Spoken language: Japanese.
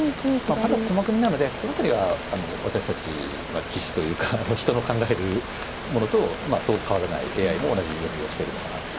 まだ駒組みなのでこの辺りは私たちは棋士というか人の考えるものとそう変わらないＡＩも同じ読みをしてるのかなっていう気がしましたね。